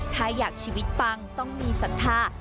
ถ้าอยากชีวิตปังต้องมีศรัทธา